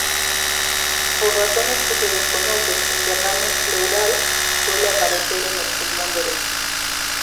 Por razones que se desconocen, el derrame pleural suele aparecer en el pulmón derecho.